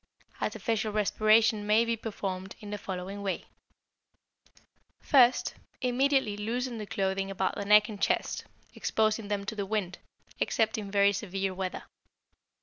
Artificial respiration may be performed in the following way: First Immediately loosen the clothing about the neck and chest, exposing them to the wind, except in very severe weather.